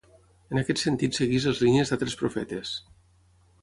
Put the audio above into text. En aquest sentit segueix les línies d'altres profetes: